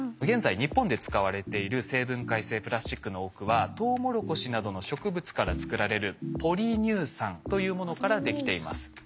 現在日本で使われている生分解性プラスチックの多くはトウモロコシなどの植物から作られるポリ乳酸というものからできています。